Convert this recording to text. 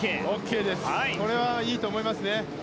これは、いいと思いますね。